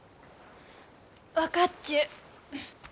分かっちゅう。